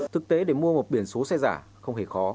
thực tế để mua một biển số xe giả không hề khó